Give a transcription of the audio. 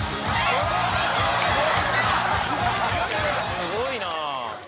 すごいな！